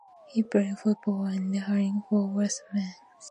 He played football and hurling for Westmeath.